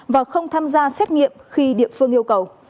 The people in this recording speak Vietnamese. và không tham gia xét nghiệm khi địa phương yêu cầu